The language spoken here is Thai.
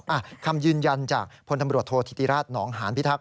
อ่ะคำยืนยันจากพลโทษธิติรัฐหนองหานพิทักษ์